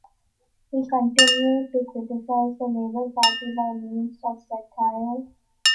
He continued to criticise the Labour Party by means of satire.